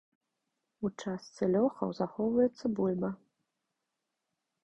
У частцы лёхаў захоўваецца бульба.